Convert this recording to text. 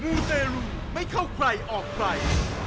มูนไอรูไม่เข้าใครออกไกล